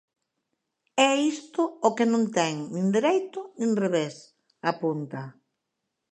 É isto o que non ten nin dereito nin revés, apunta.